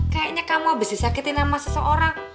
kayaknya kamu bisa disakitin sama seseorang